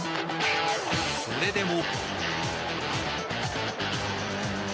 それでも。